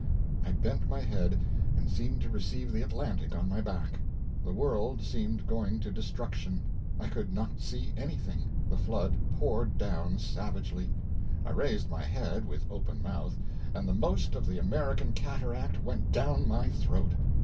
I bent my head, and seemed to receive the Atlantic on my back. The world seemed going to destruction. I could not see anything, the flood poured down savagely. I raised my head, with open mouth, and the most of the American cataract went down my throat.